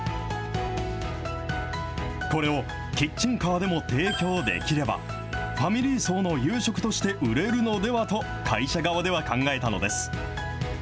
これをキッチンカーでも提供できれば、ファミリー層の夕食として売れるのではと会社側では考えたのです。